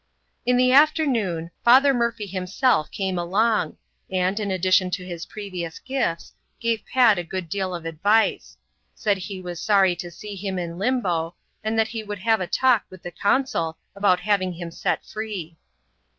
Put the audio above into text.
In the afternoon. Father Murphy himself came along ; and, in addition to his previous gifts, gave Pat a good deal of advice : said he was sorry to see him in limbo, and that he would have a talk with the consul about having him set free.